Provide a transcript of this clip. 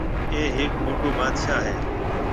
اَي هيَڪ موٽو بادشاه هيَ۔